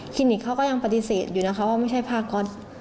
นิกเขาก็ยังปฏิเสธอยู่นะคะว่าไม่ใช่ผ้าก๊อต